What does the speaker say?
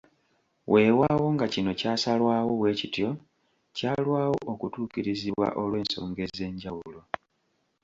Weewaawo nga kino kyasalwawo bwe kityo, kyalwawo okutuukirizibwa olw’ensonga ez’enjawulo.